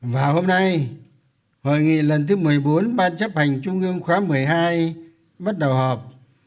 và hôm nay hội nghị lần thứ một mươi bốn ban chấp hành trung ương khóa một mươi hai bắt đầu họp